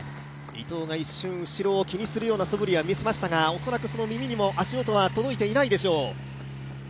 伊藤が一瞬後ろを気にするようなそぶりを見せましたが、恐らくその耳にも足音は届いていないでしょう。